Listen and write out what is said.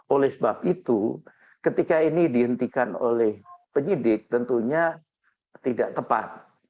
oleh sebab itu ketika ini dihentikan oleh penyidik tentunya tidak tepat